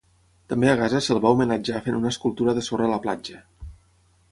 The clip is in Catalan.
També a Gaza se'l va homenatjar fent una escultura de sorra a la platja.